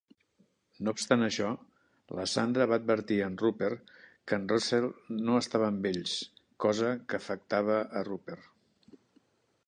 No obstant això, la Sandra va advertir a en Rupert que en Russell no estava amb ells, cosa que afectava a Rupert.